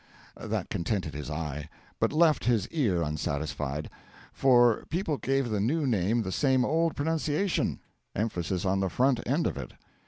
That contented his eye, but left his ear unsatisfied, for people gave the new name the same old pronunciation emphasis on the front end of it.